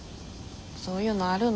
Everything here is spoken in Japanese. そういうのあるの。